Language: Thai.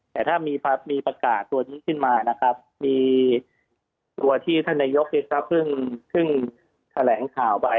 แต่ถ้ามีประกาศตัวนี้ขึ้นมานะครับ